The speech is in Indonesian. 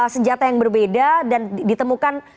senjata yang berbeda dan ditemukan